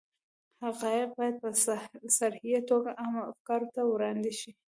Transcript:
حقایق باید په صریحه توګه عامه افکارو ته وړاندې شي.